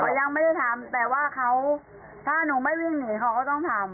แต่ยังไม่ได้ทำแต่ว่าเขาถ้าหนูไม่วิ่งหนีเขาก็ต้องทำ